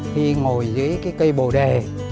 khi ngồi dưới cái cây bồ đề